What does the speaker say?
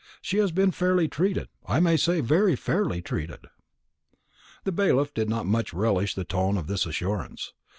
She has been fairly treated I may say very fairly treated." The bailiff did not much relish the tone of this assurance.